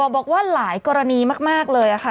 บอกว่าหลายกรณีมากเลยค่ะ